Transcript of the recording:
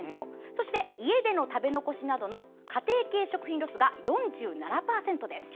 そして、家での食べ残しなどの家庭系食品ロスが４７％です。